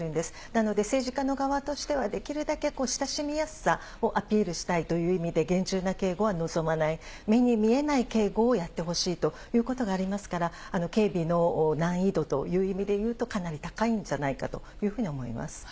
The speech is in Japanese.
なので、政治家の側からするとできるだけ親しみやすさをアピールしたいという意味で、厳重な警護は望まない、目に見えない警護をやってほしいということがありますから、警備の難易度という意味で言うと、かなり高いんじゃないかなというふうには思います。